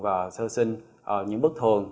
và sơ sinh những bất thường